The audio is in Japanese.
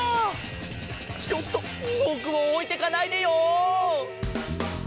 ちょっとぼくをおいてかないでよ！